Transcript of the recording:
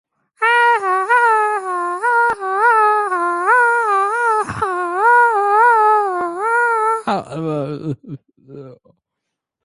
Generally, the greater the curl of the extremities, the more dramatic the appearance achieved.